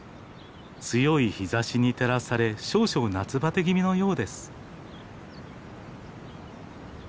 強い日ざしに照らされ少々夏バテ気味のようです。